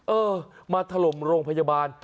เออมาถล่มโรงพยาบาล